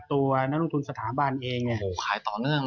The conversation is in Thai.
ตัวนักลงทุนสถาบันเองเนี่ย